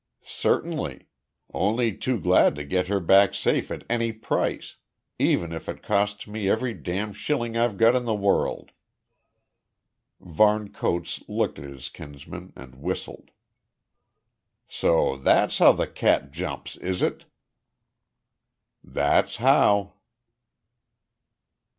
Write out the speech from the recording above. "Certainly. Only too glad to get her back safe at any price, even if it costs me every damn shilling I've got in the world." Varne Coates looked at his kinsman and whistled. "So that's how the cat jumps, is it?" "That's how."